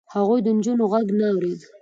هغوی د نجونو غږ نه اورېد.